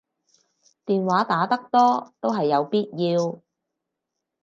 電話打得多都係有必要